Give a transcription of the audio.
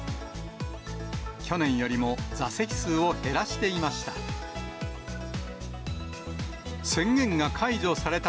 去年よりも座席数を減らしていました。